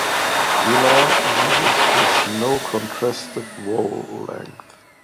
Gela uses with no contrastive vowel length.